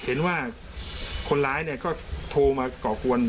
เห็นว่าคนร้ายเนี่ยก็โทรมาก่อกวน